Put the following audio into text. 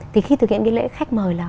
thì khi thực hiện nghi lễ khách mời là